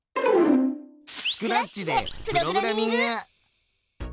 スクラッチでプログラミング！